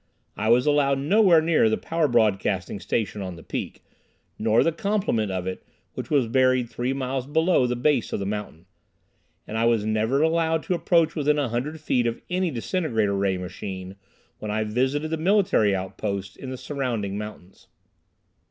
I was allowed nowhere near the power broadcasting station on the peak, nor the complement of it which was buried three miles below the base of the mountain. And I was never allowed to approach within a hundred feet of any disintegrator ray machine when I visited the military outposts in the surrounding mountains.